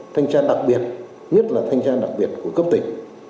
thanh tra đặc biệt nhất là thanh tra đặc biệt của cấp tỉnh